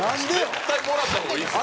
絶対もらった方がいいですよ。